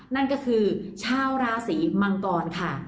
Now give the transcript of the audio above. นั่นก็คือชาวราศีมังกรค่ะ